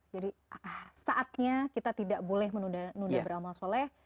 jadi saatnya kita tidak boleh menunda beramal soleh